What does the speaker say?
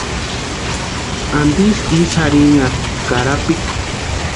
¿Antisï ísï arhinhakʼi karapikwa?